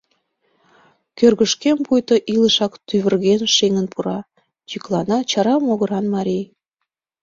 — Кӧргышкем пуйто илышак тӱвырген шеҥын пура, — йӱклана чара могыран марий.